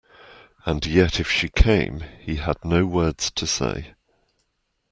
And yet if she came he had no words to say.